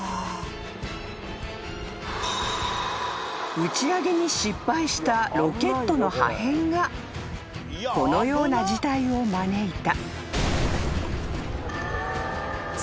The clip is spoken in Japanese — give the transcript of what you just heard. ［打ち上げに失敗したロケットの破片がこのような事態を招いた］